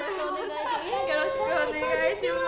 よろしくお願いします。